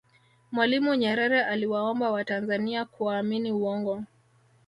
mwalimu nyerere aliwaomba watanzania kuaamini uongo